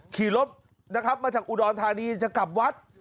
ขี่รถนะครับมาจากอุดรธานีจะกลับวัด